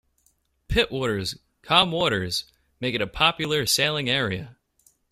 Pittwater's calm waters make it a popular sailing area.